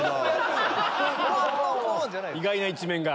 意外な一面が。